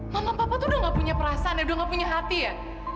nonton papa tuh udah gak punya perasaan udah gak punya hati ya